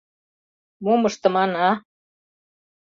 Мом ыштыман, а?